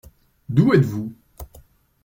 D’où êtes-vous ?